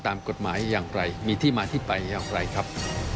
ตามกฎหมายอย่างไรมีที่มาที่ไปอย่างไรครับ